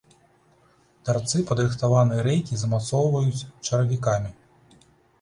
Тарцы падрыхтаванай рэйкі замацоўваюць чаравікамі.